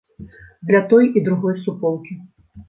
Для той і другой суполкі.